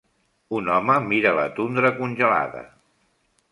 Un home mira la tundra congelada.